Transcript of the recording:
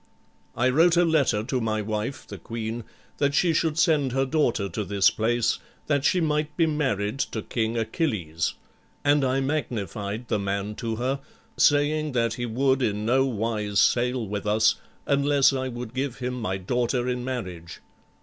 I wrote a letter to my wife the queen, that she should send her daughter to this place, that she might be married to King Achilles; and I magnified the man to her, saying that he would in no wise sail with us unless I would give him my daughter in marriage.